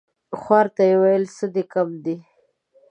خوار ته يې ويل څه دي کم دي ؟